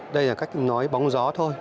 đây là cách nói bóng gió thôi